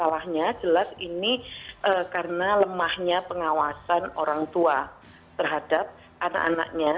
masalahnya jelas ini karena lemahnya pengawasan orang tua terhadap anak anaknya